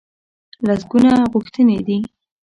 لسګونه غوښتنې دي.